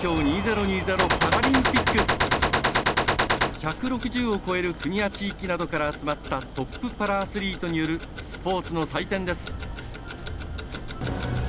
１６０を超える国や地域などから集まったトップパラアスリートによるスポーツの祭典です。